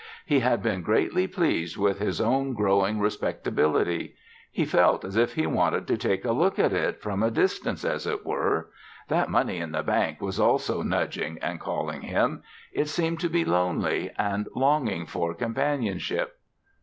He had been greatly pleased with his own growing respectability. He felt as if he wanted to take a look at it, from a distance, as it were. That money in the bank was also nudging and calling him. It seemed to be lonely and longing for companionship.